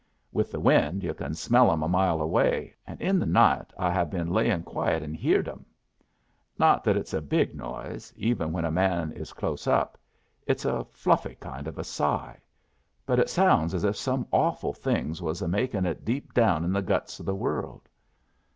With the wind yu' can smell 'em a mile away, and in the night I have been layin' quiet and heard 'em. Not that it's a big noise, even when a man is close up. It's a fluffy kind of a sigh. But it sounds as if some awful thing was a makin' it deep down in the guts of the world.